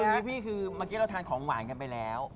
พี่คือเมื่อกี้เราทานของหวานกันไปแล้ว